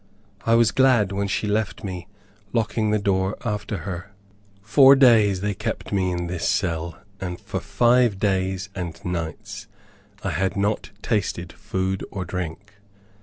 I was glad when she left me, locking the door after her. Four days they kept me in this cell, and for five days and nights I had not tasted food or drink.